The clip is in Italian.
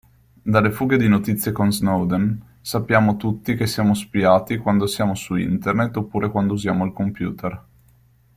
Dalle fughe di notizie con Snowden sappiamo tutti che siamo spiati quando siamo su Internet oppure quando usiamo il computer.